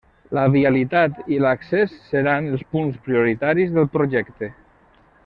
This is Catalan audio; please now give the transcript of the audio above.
La vialitat i l'accés seran els punts prioritaris del projecte.